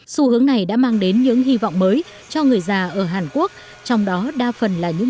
xu hướng này đã mang đến những hy vọng mới cho người già ở hàn quốc trong đó đa phần là những